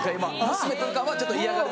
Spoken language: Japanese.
娘とかはちょっと嫌がる